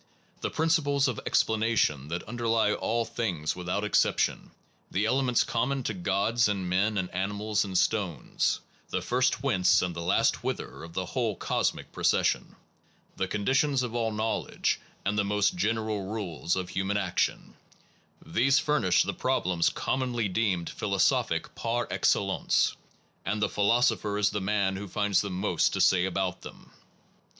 The principles of explanation that underlie all things without exception, the elements common to gods and men and animals and stones, the first whence and the last whither of the whole cosmic pro cession, the conditions of all knowing, and the most general rules of human action these furnish the problems commonly deemed phi losophic par excellence; and the philosopher is the man who finds the most to say about them.